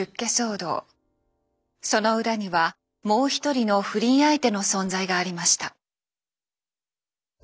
その裏にはもう一人の不倫相手の存在がありました。